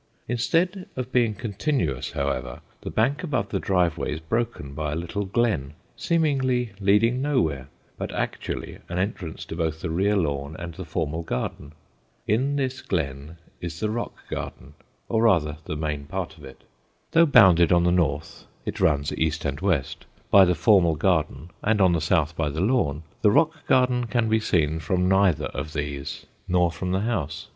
Instead of being continuous, however, the bank above the driveway is broken by a little glen, seemingly leading nowhere, but actually an entrance to both the rear lawn and the formal garden. In this glen is the rock garden, or rather the main part of it. Though bounded on the north it runs east and west by the formal garden and on the south by the lawn, the rock garden can be seen from neither of these, nor from the house.